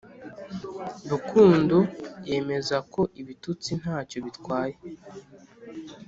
rukundo yemeza ko ibitutsi nta cyo bitwaye,